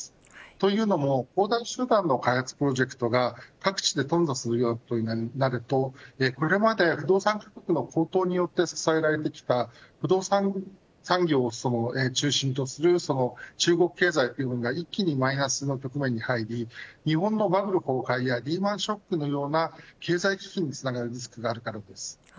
というのも恒大集団の開発プロジェクトが各地で頓挫するようなことになるとこれまで不動産価格の高騰によって支えられてきた不動産産業を中心とする中国経済というものが、一気にマイナスの局面に入り日本のバブル崩壊やリーマンショックのような経済危機につながるリスクがあるからです。